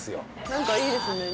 何かいいですね